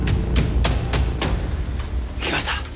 行きました。